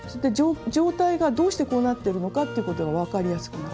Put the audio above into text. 状態がどうしてこうなってるのかっていうことが分かりやすくなる。